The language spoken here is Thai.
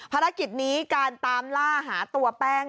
ภารกิจนี้การตามล่าหาตัวแป้ง